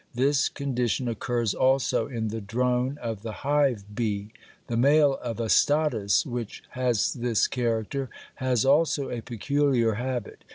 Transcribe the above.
This condition occurs also in the drone of the hive bee. The male of Astatus, which has this character, has also a peculiar habit.